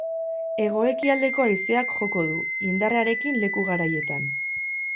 Hego-ekialdeko haizeak joko du, indarrarekin leku garaietan.